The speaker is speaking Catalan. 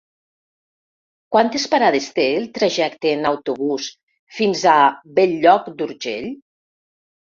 Quantes parades té el trajecte en autobús fins a Bell-lloc d'Urgell?